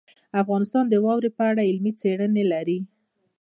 افغانستان د واوره په اړه علمي څېړنې لري.